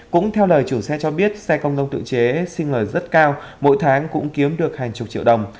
cũng theo lời chủ xe cho biết xe công nông tự chế sinh ở rất cao mỗi tháng cũng kiếm được hàng chục triệu đồng